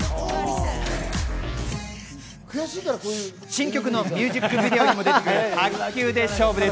新曲のミュージックビデオでも流れる、卓球勝負です。